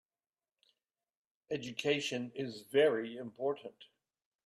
Education is very important.